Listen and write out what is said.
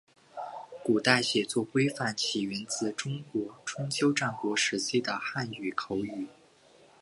古代写作规范起源自中国春秋战国时期的汉语口语。